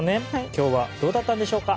今日はどうだったんでしょうか。